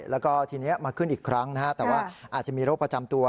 แล้วก็ทีนี้มาขึ้นอีกครั้งนะฮะแต่ว่าอาจจะมีโรคประจำตัว